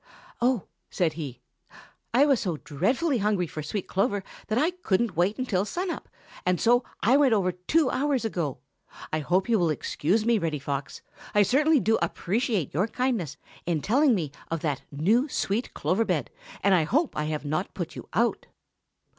"Oh," said he, "I was so dreadfully hungry for sweet clover that I couldn't wait until sun up, and so I went over two hours ago. I hope you will excuse me, Reddy Fox. I certainly do appreciate your kindness in telling me of that new, sweet clover bed and I hope I have not put you out."